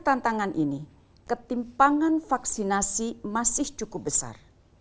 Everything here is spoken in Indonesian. untuk pertantangan ini ketimpangan vaksinasi masih cukup besar